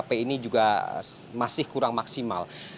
pembersihan tkp ini juga masih kurang maksimal